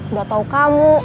udah tahu kamu